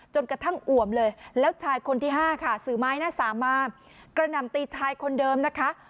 จนกระทั่งอ่วมเลยแล้วชายคนที่ห้าค่ะถือไม้หน้าสามมากระหน่ำตีชายคนเดิมนะคะ